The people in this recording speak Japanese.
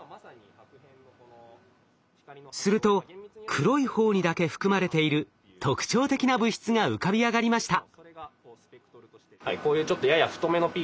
すると黒い方にだけ含まれている特徴的な物質が浮かび上がりました。